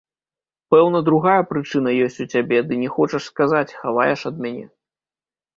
Пэўна, другая прычына ёсць у цябе, ды не хочаш сказаць, хаваеш ад мяне.